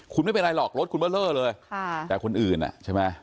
คุณไม่เป็นไรหรอกรถคุณเบอร์เลอร์เลยแต่คนอื่นอ่ะใช่ไหม